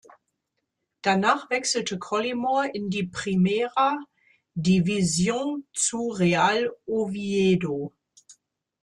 Danach wechselte Collymore in die Primera División zu Real Oviedo.